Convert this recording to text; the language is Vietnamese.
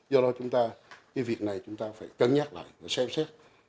do đó chúng ta cái việc này chúng ta phải cân nhắc lại và xem xét